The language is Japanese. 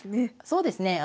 そうですね。